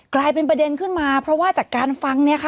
กลายเป็นประเด็นขึ้นมาเพราะว่าจากการฟังเนี่ยค่ะ